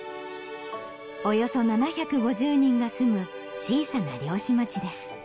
およそ７５０人が住む小さな漁師町です。